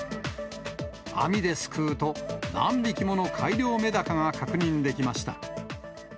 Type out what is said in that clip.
網ですくうと、何匹もの改良メダカが確認できました。